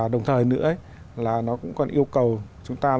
đồng thời nó còn yêu cầu chúng ta